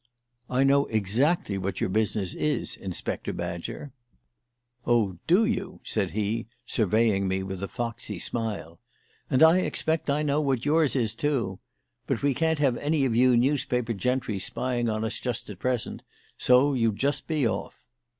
"I know exactly what your business is, Inspector Badger." "Oh, do you?" said he, surveying me with a foxy smile. "And I expect I know what yours is, too. But we can't have any of you newspaper gentry spying on us just at present, so you just be off."